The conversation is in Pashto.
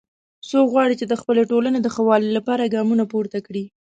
څوک غواړي چې د خپلې ټولنې د ښه والي لپاره ګامونه پورته کړي